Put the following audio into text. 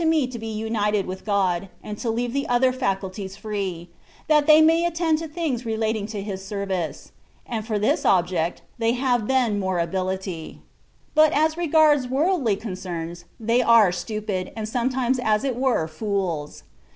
me to be united with God, and to leave the other faculties free, that they may attend to things re lating to his service ; and for this object they have then more ability; but as regards worldly con cerns, they are stupid, and sometimes as it were fools.